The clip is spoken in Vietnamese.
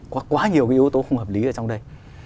có quá nhiều cái yếu tố không hợp lý ở trong đây